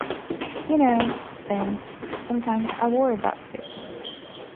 You know, Vince, sometimes I worry about you.